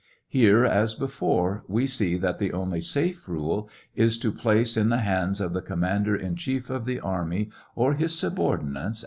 Here, as before, we see that tbe only safe rule is to place in the hands of the commander in chief of the army, or his subordinates 728 TRIAL OF HENRY WIRZ.